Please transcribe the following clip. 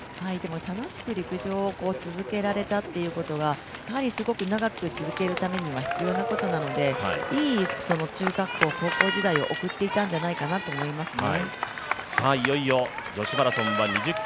楽しく陸上を続けられたことがすごく長く続けるためには必要なことなので、いい中学校高校時代を送っていたんじゃないかと思いますね。